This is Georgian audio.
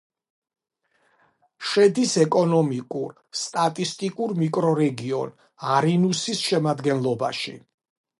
შედის ეკონომიკურ-სტატისტიკურ მიკრორეგიონ არინუსის შემადგენლობაში.